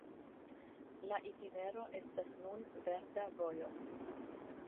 La itinero estas nun verda vojo.